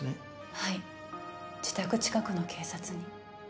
はい自宅近くの警察に。